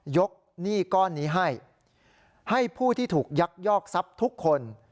หนี้ก้อนนี้ให้ให้ผู้ที่ถูกยักยอกทรัพย์ทุกคน